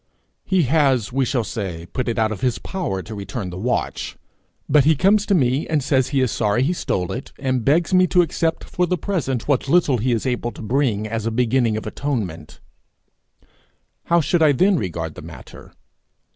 He has, we shall say, put it out of his power to return the watch, but he comes to me and says he is sorry he stole it and begs me to accept for the present what little he is able to bring, as a beginning of atonement: how should I then regard the matter?